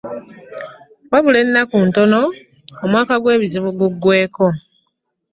Wabulayo ennaku ntono omwaka gw'ebizibu gugweeko.